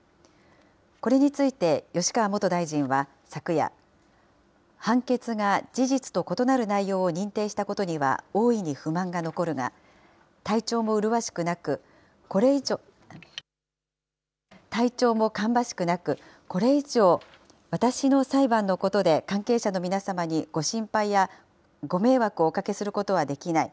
これについて吉川元大臣は昨夜、判決が事実と異なる内容を認定したことには大いに不満が残るが、体調も芳しくなく、これ以上、私の裁判のことで関係者の皆様にご心配やご迷惑をおかけすることはできない。